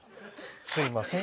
すいません。